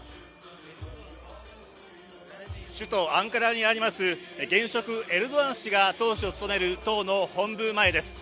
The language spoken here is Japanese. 首都アンカラにあります、現職エルドアン氏が党首を務める党の本部前です。